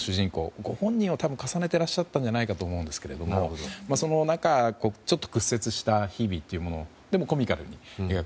ご本人は重ねていらっしゃったんじゃないかと思うんですがそのちょっと屈折した日々というのをでもコミカルに描く。